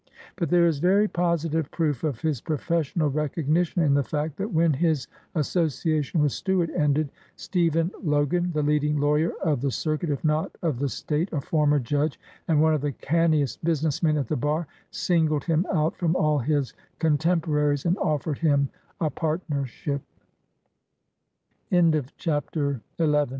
But there is very positive proof of his professional recognition in the fact that when his association with Stuart ended, Stephen Logan, the leading lawyer of the cir cuit, if not of the State, a former judge, and one of the canniest business men at the bar, singled him out from all his contemporaries and offered him a p